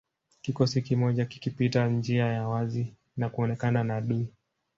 Kikosi kimoja kikipita njia ya wazi na kuonekana na adui